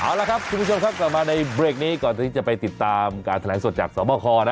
เอาละครับคุณผู้ชมครับกลับมาในเบรกนี้ก่อนที่จะไปติดตามการแถลงสดจากสวบคอนะ